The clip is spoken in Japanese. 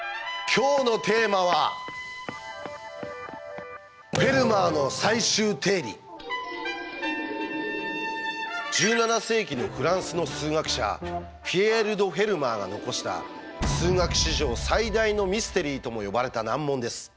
今日のテーマは１７世紀のフランスの数学者ピエール・ド・フェルマーが残した数学史上最大のミステリーとも呼ばれた難問です。